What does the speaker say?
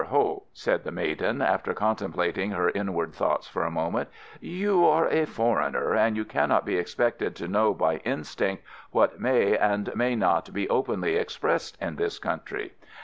Ho," said the maiden, after contemplating her inward thoughts for a moment, "you are a foreigner, and you cannot be expected to know by instinct what may and what may not be openly expressed in this country.